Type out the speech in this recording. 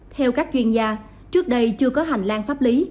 theo các chuyên gia trước đây chưa có hành lang pháp lý